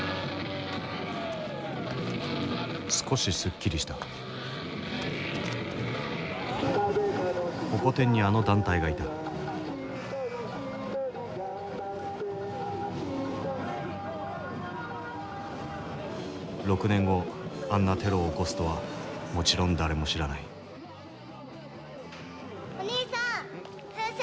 少しすっきりしたホコ天にあの団体がいた６年後あんなテロを起こすとはもちろん誰も知らないおにいさん風船１つあげる。